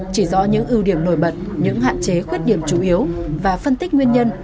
chỉ rõ những ưu điểm nổi bật những hạn chế khuyết điểm chủ yếu và phân tích nguyên nhân